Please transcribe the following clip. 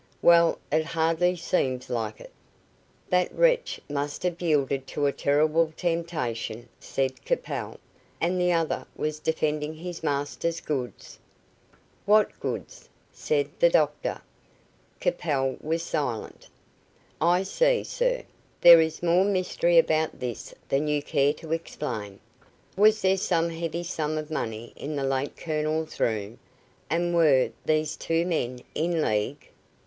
"Well, it hardly seems like it." "That wretch must have yielded to a terrible temptation," said Capel, "and the other was defending his master's goods." "What goods?" said the doctor. Capel was silent. "I see, sir, there is more mystery about this than you care to explain. Was there some heavy sum of money in the late Colonel's room, and were these two men in league?"